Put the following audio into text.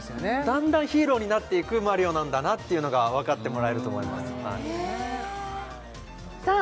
だんだんヒーローになっていくマリオなんだなっていうのがわかってもらえると思いますへえさあ